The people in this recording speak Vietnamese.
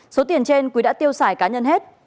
số tiền trên quý đã tiêu xài cá nhân hết